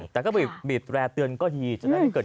แต่ก็บีบแรร์เตือนก็ดี